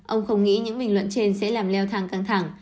ông không nghĩ những bình luận trên sẽ làm leo thang căng thẳng